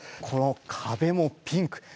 このかべもピンク。